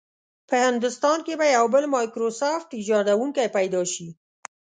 په هندوستان کې به یو بل مایکروسافټ ایجادونکی پیدا شي.